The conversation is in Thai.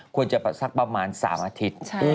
ควรจะสักประมาณ๓อาทิตย์